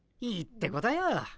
いいってことよ。